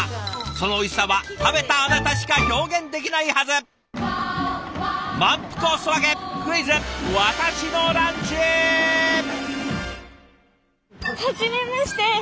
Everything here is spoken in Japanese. そのおいしさは食べたあなたしか表現できないはず！はじめまして。